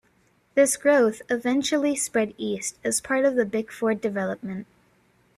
This growth eventually spread East as part of the Bickford development.